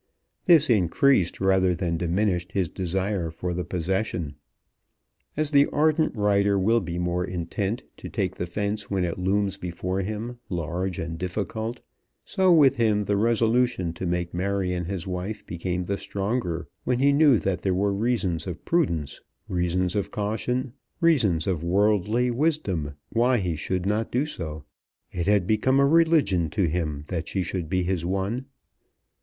This increased rather than diminished his desire for the possession. As the ardent rider will be more intent to take the fence when it looms before him large and difficult, so with him the resolution to make Marion his wife became the stronger when he knew that there were reasons of prudence, reasons of caution, reasons of worldly wisdom, why he should not do so. It had become a religion to him that she should be his one.